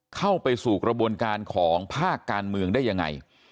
เข้าไปสู่กระบวนการของภาคการเมืองได้ยังไง